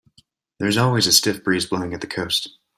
There's always a stiff breeze blowing at the coast.